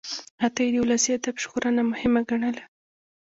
عطایي د ولسي ادب ژغورنه مهمه ګڼله.